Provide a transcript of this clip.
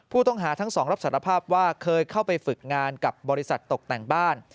ผู้ต้องหาทั้งสองรับสารภาพว่าเคยเข้าไปฝึกงานกับบริษัทตกแต่งบ้าน